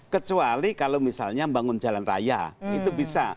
kecuali kalau misalnya membangun jalan raya itu bisa